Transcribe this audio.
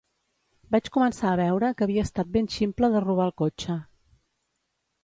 Vaig començar a veure que havia estat ben ximple de robar el cotxe.